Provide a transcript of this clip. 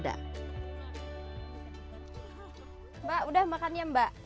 mbak sudah makan ya mbak